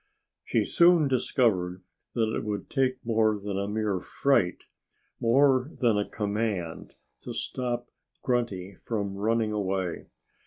She soon discovered that it would take more than a mere fright more than a command to stop Grunty from running away.